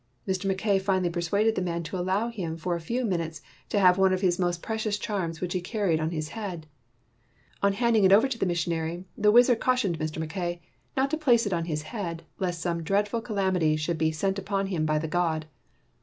Mr. Mackay finally persuaded the man to allow him for a few 160 TEACHING MAKES NEW MEN minutes to have one of his most precious charms which he carried on his head. On handing it over to the missionary the wiz ard cautioned Mr. Mackay not to place it on his head lest some dreadful calamity should be sent upon him by the god.